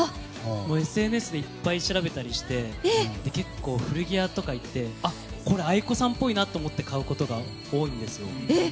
ＳＮＳでいっぱい調べたりして結構、古着屋とかに行ってこれ、ａｉｋｏさんっぽいと思って買うことが多いんですよ。